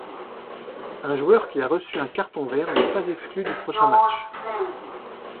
Un joueur qui a reçu un carton vert n’est pas exclu du prochain match.